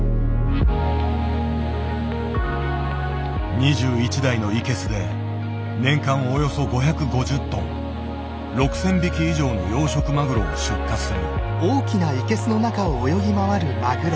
２１台のイケスで年間およそ５５０トン６，０００匹以上の養殖マグロを出荷する。